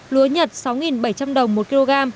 lúa nhật sáu bảy trăm linh đồng một kg